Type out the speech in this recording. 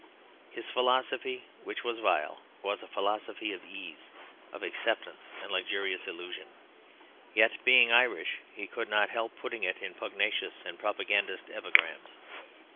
His philosophy (which was vile) was a philosophy of ease, of acceptance, and luxurious illusion; yet, being Irish, he could not help putting it in pugnacious and propagandist epigrams.